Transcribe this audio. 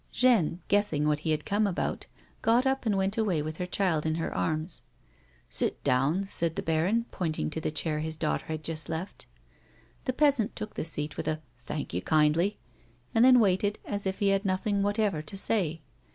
Jeanne, guessing what he had come about, got up and went away with her child in her arms. " Sit down," said the baron, pointing to the chair his daughter had just left. The peasant took the seat with a " Thank you, kindly," and then waited as if he had nothing whatever to say.